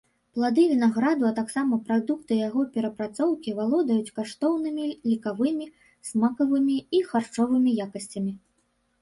Плады вінаграду, а таксама прадукты яго перапрацоўкі валодаюць каштоўнымі лекавымі, смакавымі і харчовымі якасцямі.